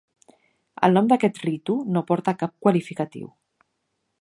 El nom d'aquest ritu no porta cap qualificatiu.